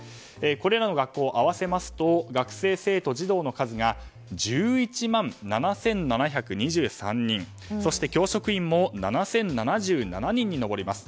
これらの学校を合わせますと学生生徒・児童の数が１１万７７２３人教職員も７０７７人に上ります。